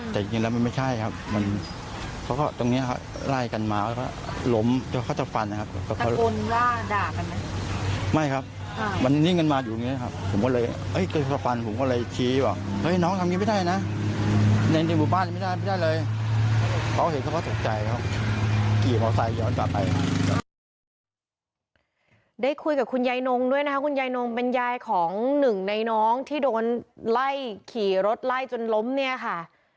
คุยกับคุณยายนงด้วยนะคะคุณยายนงเป็นยายของหนึ่งในน้องที่โดนไล่ขี่รถไล่จนล้มเนี่ยค่ะ